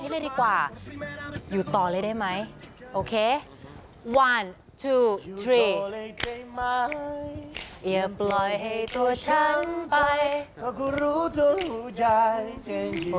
ชิคกี้พายจะบอกว่าเกี่ยวกับพวกเจ้าใหม่